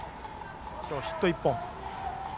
今日ヒット１本。